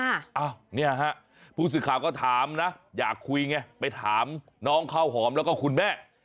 อ้าวเนี่ยฮะผู้สื่อข่าวก็ถามนะอยากคุยไงไปถามน้องข้าวหอมแล้วก็คุณแม่